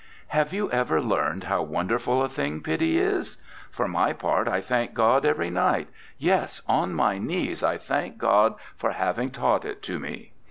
'Have you ever learned how wonderful a thing pity is? For my part I thank God every night, yes, on my knees I thank God for having taught it to me.